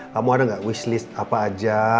kamu ada nggak wish list apa aja